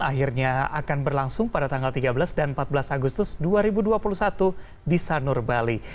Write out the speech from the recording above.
akhirnya akan berlangsung pada tanggal tiga belas dan empat belas agustus dua ribu dua puluh satu di sanur bali